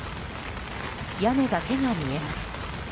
屋根だけが見えます。